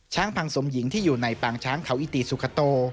พังสมหญิงที่อยู่ในปางช้างเขาอิติสุขโต